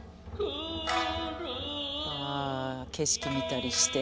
あ景色見たりして。